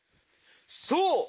そう！